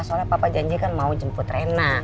soalnya papa janjikan mau jemput rena